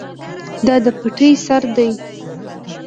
دا د پټی سر دی.